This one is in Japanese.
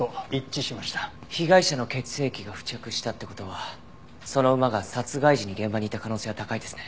被害者の血液が付着したって事はその馬が殺害時に現場にいた可能性は高いですね。